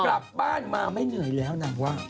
กลับบ้านมาไม่เหนื่อยแล้วนางว่า